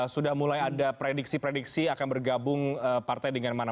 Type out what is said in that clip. sudah mulai ada prediksi prediksi akan bergabung partai dengan mana